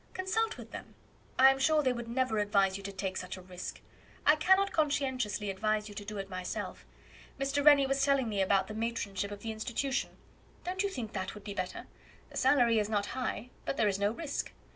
Consult with them. I am sure they would never advise you to take such a risk; I cannot conscientiously advise you to do it myself. Mr. Rennie was telling me about the matronship of the Institution. Don't you think that would be better? The salary is not high, but there is no risk.